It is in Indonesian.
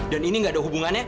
dan ini nggak ada hubungannya